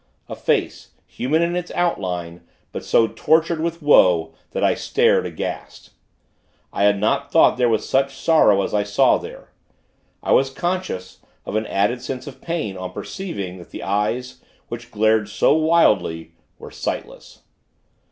A face, human in its outline; but so tortured with woe, that I stared, aghast. I had not thought there was such sorrow, as I saw there. I was conscious of an added sense of pain, on perceiving that the eyes, which glared so wildly, were sightless.